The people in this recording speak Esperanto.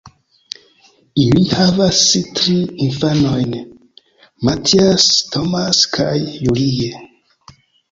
Ili havas tri infanojn: Matthias, Thomas kaj Julie.